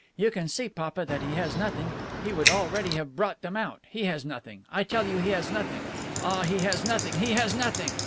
You can see, papa, that he has nothing. He would already have brought them out. He has nothing. I tell you he has nothing. Ah, he has nothing! He has nothing!"